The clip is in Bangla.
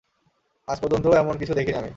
আজ পর্যন্ত এমন কিছু দেখিনি আমি।